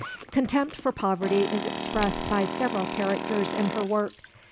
Contempt for poverty is expressed by several characters in her work.